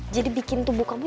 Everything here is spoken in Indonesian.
jadi bikin tubuh kamu jatuh